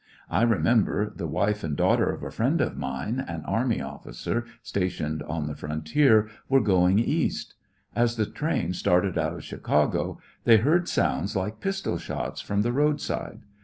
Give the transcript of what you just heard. I rememberj the wife and daughter of a friend of mine, an army officer stationed on the frontier^ were going East. As the train started out of Chi cago they heard sounds like pistol shots from the roadside.